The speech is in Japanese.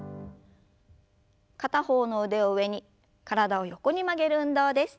片方の腕を上に体を横に曲げる運動です。